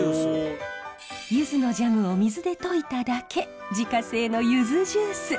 ゆずのジャムを水で溶いただけ自家製のゆずジュース。